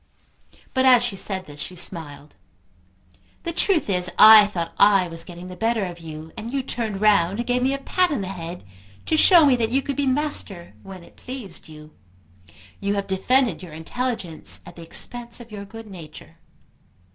But as she said this she smiled. "The truth is, I thought I was getting the better of you, and you turned round and gave me a pat on the head to show me that you could be master when it pleased you. You have defended your intelligence at the expense of your good nature."